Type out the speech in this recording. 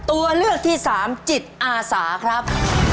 ตัวเลือกที่สามจิตอาสาครับ